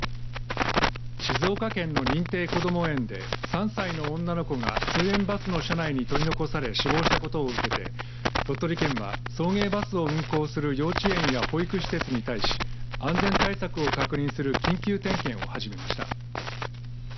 静岡県の認定こども園で３歳の女の子が通園バスの車内に取り残され死亡したことを受けて鳥取県は送迎バスを運行する幼稚園や保育施設に対し安全対策を確認する緊急点検を始めました。